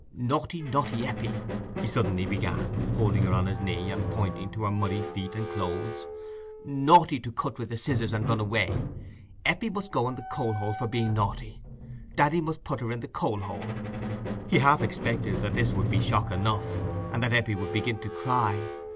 "Naughty, naughty Eppie," he suddenly began, holding her on his knee, and pointing to her muddy feet and clothes—"naughty to cut with the scissors and run away. Eppie must go into the coal hole for being naughty. Daddy must put her in the coal hole." He half expected that this would be shock enough, and that Eppie would begin to cry.